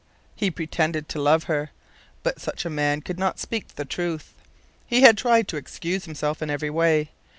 He pretended to love her. But such a man could not speak the truth. He had tried to excuse himself in every way.